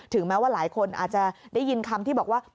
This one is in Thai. แม้ว่าหลายคนอาจจะได้ยินคำที่บอกว่า